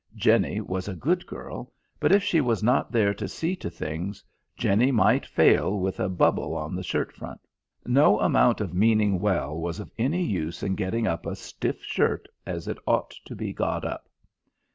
Jenny was a good girl, but if she was not there to see to things, Jenny might fail with a bubble on the shirt front. No amount of meaning well was of any use in getting up a stiff shirt as it ought to be got up.